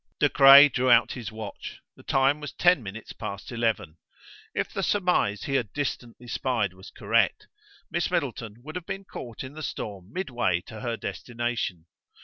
Do Craye drew out his watch. The time was ten minutes past eleven. If the surmise he had distantly spied was correct, Miss Middleton would have been caught in the storm midway to her destination.